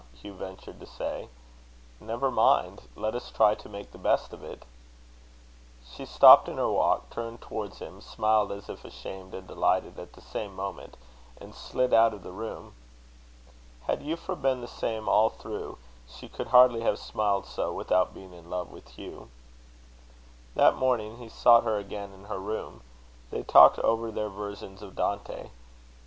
Hugh ventured to say, "never mind. Let us try to make the best of it." She stopped in her walk, turned towards him, smiled as if ashamed and delighted at the same moment, and slid out of the room. Had Euphra been the same all through, she could hardly have smiled so without being in love with Hugh. That morning he sought her again in her room. They talked over their versions of Dante.